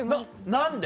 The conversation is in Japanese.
何で？